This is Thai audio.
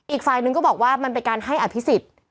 อีกฝ่ายนึงก็บอกว่ามันเป็นการให้อภิษฎ